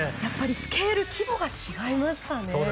スケール、規模が違いましたね。